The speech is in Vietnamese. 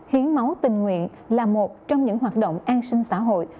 hiến máu tình nguyện là một trong những hoạt động an sinh xã hội